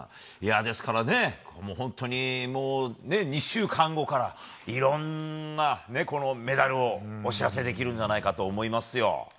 本当に、２週間後からいろんなメダルをお知らせできるんじゃないかと思いますよ。